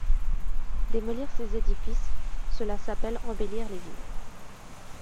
Démolir ces édifices, cela s’appelle embellir les villes.